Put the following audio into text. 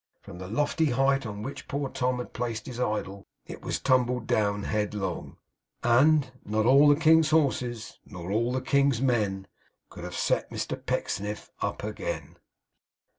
From the lofty height on which poor Tom had placed his idol it was tumbled down headlong, and Not all the king's horses, nor all the king's men, Could have set Mr Pecksniff up again.